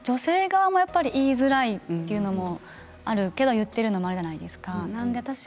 女性側もやっぱり言いづらいというのもあるけれど言っているということもあるじゃないですか。